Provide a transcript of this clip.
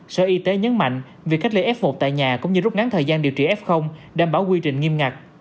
sở y tế nhấn mạnh việc cách ly f một tại nhà cũng như rút ngắn thời gian điều trị f đảm bảo quy trình nghiêm ngặt